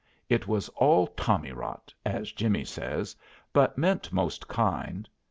It was all tommy rot, as Jimmy says, but meant most kind.